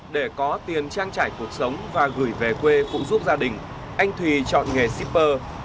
để có tiền trang trải cuộc sống và gửi về quê phụ giúp gia đình anh thùy chọn nghề shipper